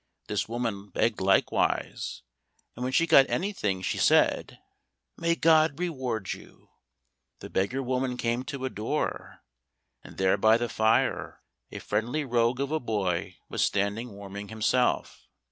This woman begged likewise, and when she got anything she said, "May God reward you." The beggar woman came to a door, and there by the fire a friendly rogue of a boy was standing warming himself.